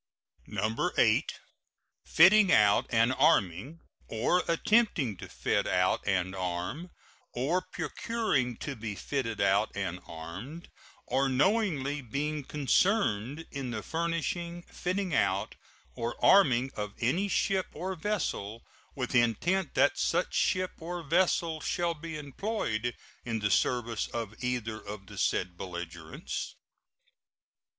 Fitting out and arming, or attempting to fit out and arm, or procuring to be fitted out and armed, or knowingly being concerned in the furnishing, fitting out, or arming of any ship or vessel with intent that such ship or vessel shall be employed in the service of either of the said belligerents.